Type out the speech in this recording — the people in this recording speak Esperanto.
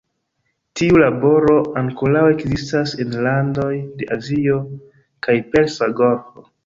Tiu laboro ankoraŭ ekzistas en landoj de Azio kaj Persa Golfo.